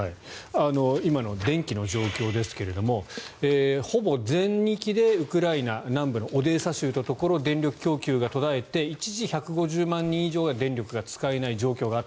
今の電気の状況ですがほぼ全域でウクライナ南部のオデーサ州というところ電力供給が途絶えて一時１５０万人以上が電力が使えない状況があった。